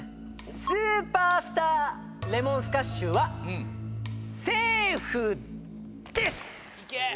スーパースター・レモンスカッシュはセーフです！